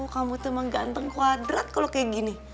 kamu tuh emang ganteng kuadrat kalo kayak gini